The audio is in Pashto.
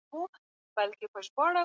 نبي کریم د عدالت تر ټولو لویه نمونه وه.